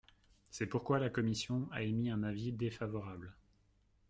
C’est pourquoi la commission a émis un avis défavorable.